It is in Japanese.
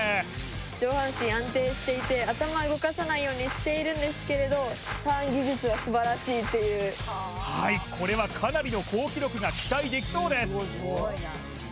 上半身安定していて頭動かさないようにしているんですけれどターン技術は素晴らしいというはいこれはかなりの好記録が期待できそうです